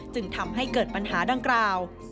จึงทำให้เกิดปัญหาดังกล่าว